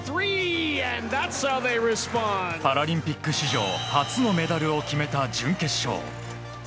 パラリンピック史上初のメダルを決めた準決勝